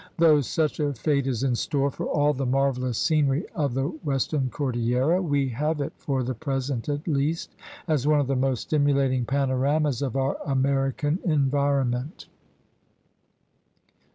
Though such a fate is in store for all the marvelous scenery of the western cordillera, we have it, for the present at least, as one of the most stimulating panoramas of our American environ ment.